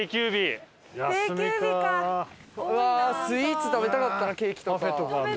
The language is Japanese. スイーツ食べたかったなケーキとか。